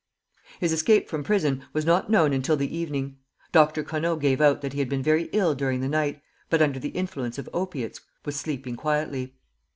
His escape from prison was not known until the evening. Dr. Conneau gave out that he had been very ill during the night, but under the influence of opiates was sleeping quietly.